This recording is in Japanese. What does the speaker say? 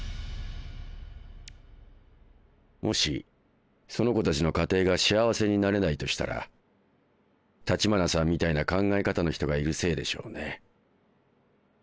もしその子たちの家庭が幸せになれないとしたら橘さんみたいな考え方の人がいるせいでしょうね。